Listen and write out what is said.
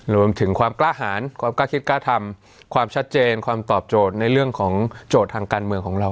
รวมถึงความกล้าหารความกล้าคิดกล้าทำความชัดเจนความตอบโจทย์ในเรื่องของโจทย์ทางการเมืองของเรา